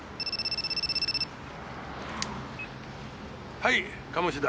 はい鴨志田。